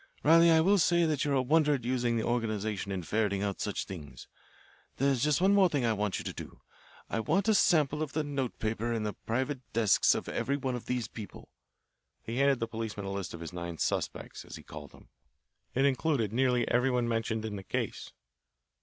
"Riley, I will say that you're a wonder at using the organisation in ferreting out such things. There's just one more thing I want you to do. I want a sample of the notepaper in the private desks of every one of these people." He handed the policeman a list of his 9 "suspects," as he called them. It included nearly every one mentioned in the case.